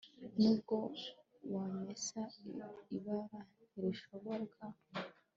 Nubwo wamesa ibara ntirisohoka